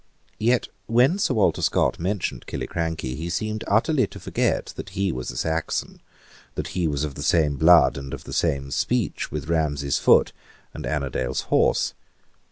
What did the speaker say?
Yet when Sir Walter Scott mentioned Killiecrankie he seemed utterly to forget that he was a Saxon, that he was of the same blood and of the same speech with Ramsay's foot and Annandale's horse.